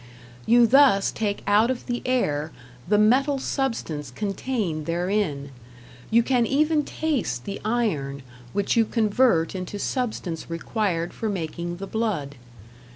You thus take out of the air the metal substance contained therein; you can even taste the iron which you convert into substance required for making the blood.